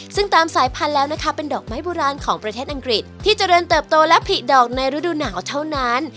ซึ่งตามสายพันธุ์แล้วนะคะเป็นดอกไม้โบราณของประเทศอังกฤษที่เจริญเติบโตและผลิดอกในฤดูหนาวเท่านั้น